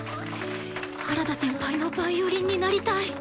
原田先輩のヴァイオリンになりたい！